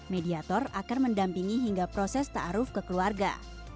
mediator akan mendampingi hingga proses taaruf ke keluarga